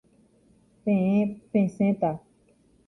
Peẽ pesẽta.